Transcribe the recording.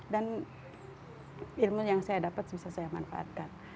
dan ilmu yang saya dapat bisa saya manfaatkan